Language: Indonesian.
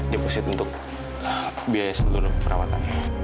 deposit untuk biaya seluruh perawatan